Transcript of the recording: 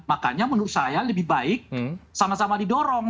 makanya menurut saya lebih baik sama sama didorong